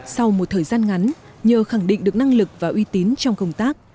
sau một thời gian ngắn nhờ khẳng định được năng lực và uy tín trong công tác